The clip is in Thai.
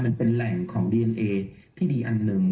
มันเป็นแหล่งของดีเอนเอที่ดีอันหนึ่ง